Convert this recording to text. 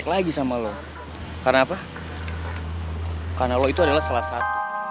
karena lo itu adalah salah satu